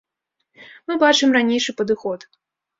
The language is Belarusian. Мы бачым ранейшы падыход.